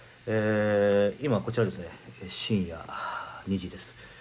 今こちら深夜２時です。